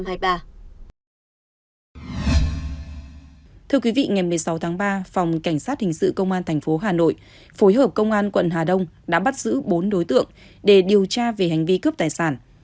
thưa quý vị ngày một mươi sáu tháng ba phòng cảnh sát hình sự công an tp hà nội phối hợp công an quận hà đông đã bắt giữ bốn đối tượng để điều tra về hành vi cướp tài sản